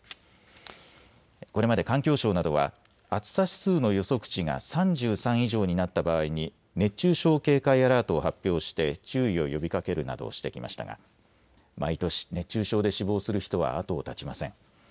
これまで環境省などは暑さ指数の予測値が３３以上になった場合に熱中症警戒アラートを発表して注意を呼びかけるなどしてきましたが毎年、熱中症で死亡する人は後を絶ちません。